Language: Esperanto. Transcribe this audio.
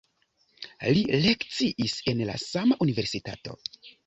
Li lekciis en la sama universitato.